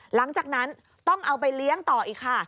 หลังจากนั้นต้องเอาไปเลี้ยงต่ออีกค่ะ